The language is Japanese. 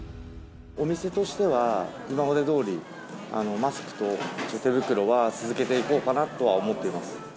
お店としては今までどおり、マスクと手袋は続けていこうかなとは思ってます。